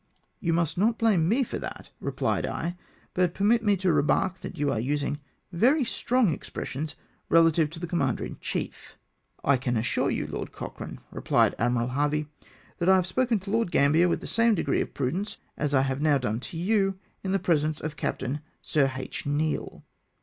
" You must not blame me for that," rephed I ;" but permit me to remark that you are using very strong expressions relative to the commander in chief." " I can assure you, Lord Cochrane," rephed Admiral Harvey, " that I have spoken to Lord Gambler with the same degree of prudence as I have now done to you in the presence of Captain Sir H. Neale."